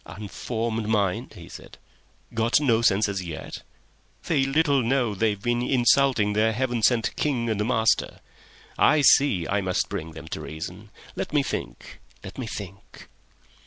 "Unformed mind!" he said. "Got no senses yet! They little know they've been insulting their Heaven sent King and master ..... "I see I must bring them to reason. "Let me think. "Let me think."